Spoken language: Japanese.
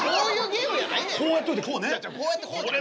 こうやっといてこうね。